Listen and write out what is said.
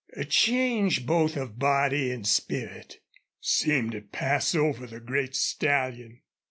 A change, both of body and spirit, seemed to pass over the great stallion.